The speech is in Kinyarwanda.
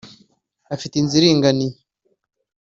Afite inzu iringaniye